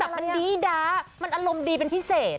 แต่มันดีด้ามันอารมณ์ดีเป็นพิเศษ